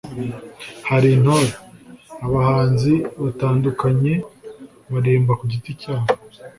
Hari intore, abahanzi batandukanye baririmba ku giti cyabo